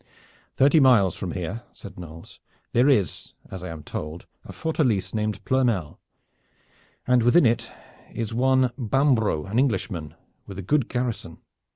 "Thirty miles from here," said Knolles, "there is, as I am told, a fortalice named Ploermel, and within it is one Bambro', an Englishman, with a good garrison.